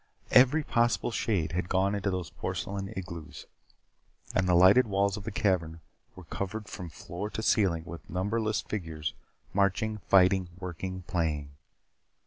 Every possible shade had gone into those porcelain igloos. And the lighted walls of the cavern were covered from floor to ceiling with numberless figures, marching, fighting, working, playing.